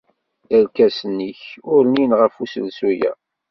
Irkasen-nnek ur rnin ɣef uselsu-a.